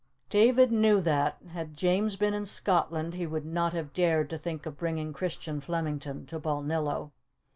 David knew that, had James been in Scotland, he would not have dared to think of bringing Christian Flemington to Balnillo.